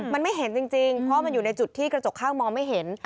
มันไม่เห็นจริงเพราะมันอยู่ในจุดที่กระจกข้างมองไม่เห็น